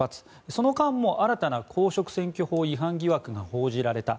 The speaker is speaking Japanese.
その間も新たな公職選挙法違反疑惑が報じられた。